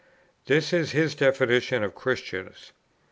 This is his definition of Christians.